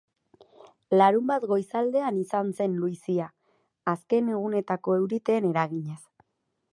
Larunbat goizaldean izan zen luizia, azken egunetako euriteen eraginez.